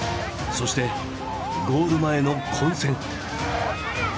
そしてゴール前の混戦。